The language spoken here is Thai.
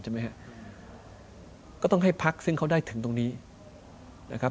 ใช่ไหมฮะก็ต้องให้พักซึ่งเขาได้ถึงตรงนี้นะครับ